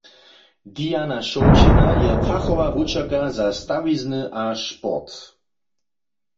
Diana Šołćina je fachowa wučerka za stawizny a sport.